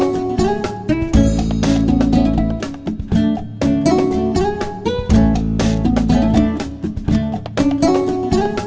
กลับเข้ามาเลย